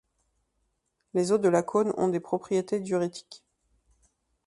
Les eaux de Lacaune ont des propriétés diurétiques.